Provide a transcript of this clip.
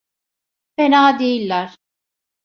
Fena değiller.